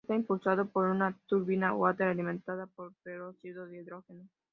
Está impulsado por una turbina Walter alimentada por peróxido de hidrógeno.